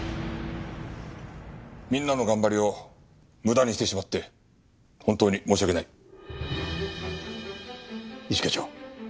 みんなの頑張りを無駄にしてしまって本当に申し訳ない。